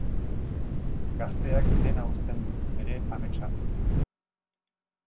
Gazteak dena uzten du bere ametsa betetzeko.